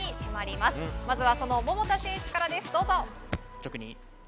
まずは桃田選手からです。